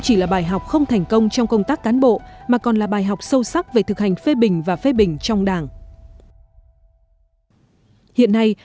nhiêm chỉnh và thật thà tự phê bình và phê bình